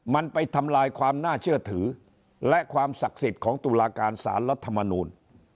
มันไปทำลายความน่าเชื่อถือและความศักดิ์สิทธิ์ของตุลาการสารรัฐมนูล